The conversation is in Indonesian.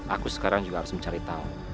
aku sekarang juga harus mencari tahu